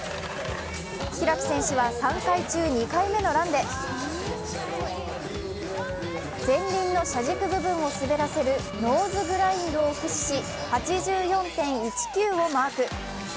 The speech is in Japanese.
開選手は３回中、２回目のランで前輪の車軸部分を滑らせるノーズグラインドを駆使し８４．１９をマーク。